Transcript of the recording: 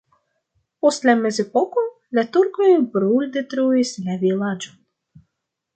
Post la mezepoko la turkoj bruldetruis la vilaĝon.